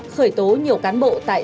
khởi tố nhiều cá nhân